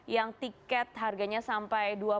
yang tiket harganya sampai